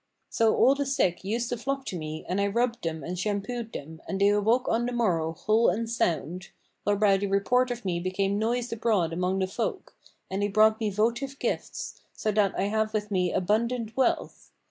So all the sick used to flock to me and I rubbed them and shampoo'd them and they awoke on the morrow whole and sound; whereby the report of me became noised abroad among the folk, and they brought me votive gifts, so that I have with me abundant wealth.